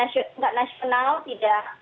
tidak nasional tidak